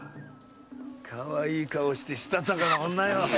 かわいい顔してしたたかな女よ。